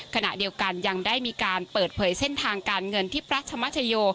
ขณะเดียวกันยังได้มีการเปิดเผยเส้นทางการเงินที่พระธรรมชโย